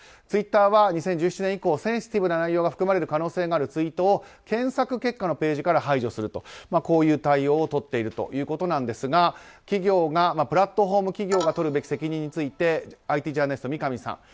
ツイッターは２０１７年以降センシティブな内容が含まれる可能性があるツイートを検索結果のページから排除するとこういう対応をとっているということですがプラットフォーム企業がとる責任についてＩＴジャーナリストの三上洋さん。